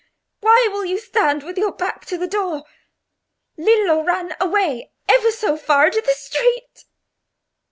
Why will you stand with your back to the door? Lillo ran away ever so far into the street."